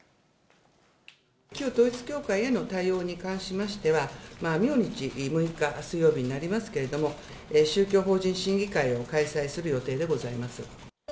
旧統一教会への対応に関しましては、明日６日水曜日になりますけれども、宗教法人審議会を開催する予定でございます。